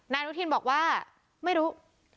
อนุทินบอกว่าไม่รู้